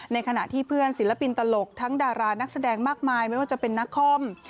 ในขณะที่เพื่อนศิลปินตลกทั้งดารานักแสดงมากมายไม่ว่าจะเป็นนักคอม